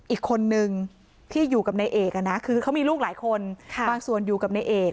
อีกคนนึงที่อยู่กับนายเอกนะคือเขามีลูกหลายคนบางส่วนอยู่กับนายเอก